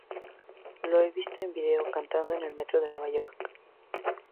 Lo he visto en video, cantando en el metro de Nueva York.